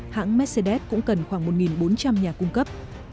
hãng mercedes cũng cần khoảng một bốn trăm linh nhà cung cấp